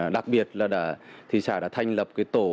đặc biệt là thị xã đã thành lập một thông tin